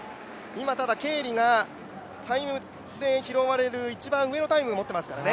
今、ケーリがタイムで拾われる一番上のタイムを持っていますね。